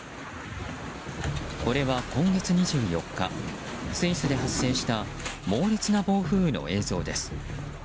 これは今月２４日スイスで発生した猛烈な暴風雨の映像です。